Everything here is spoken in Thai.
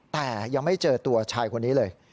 แต่ยังไม่เจอตัวชายคนนี้เลย